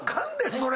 それ！